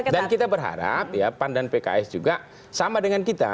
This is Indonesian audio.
dan kita berharap ya pan dan pks juga sama dengan kita